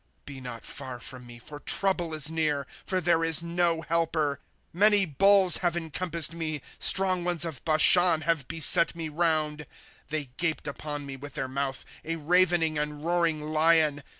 ",Be not far from me, for trouble is near, For there is no helper, ^^ Many bulls have encompassed me ; Strong ones of Bashan have beset me round. ^* They gaped upon me with their mouth, A ravening and roaring lion.